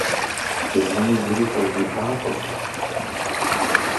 Зыми зыри къызжиӀакъым.